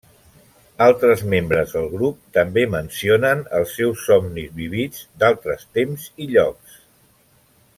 Altres membres del grup també mencionen els seus somnis vívids d'altres temps i llocs.